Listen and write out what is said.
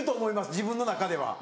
自分の中では。